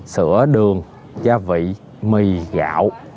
sữa đường gia vị mì gạo